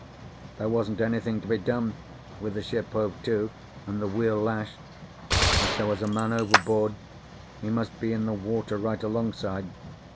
There wasn't anything to be done, with the ship hove to and the wheel lashed. If there was a man overboard, he must be in the water right alongside.